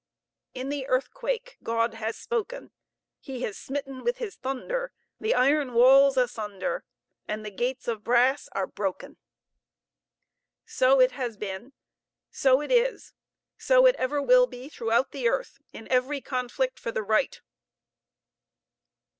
"In the earthquake God has spoken; He has smitten with His thunder The iron walls asunder, And the gates of brass are broken." So it has been, so it is, so it ever will be throughout the earth, in every conflict for the right.